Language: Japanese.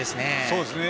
そうですね。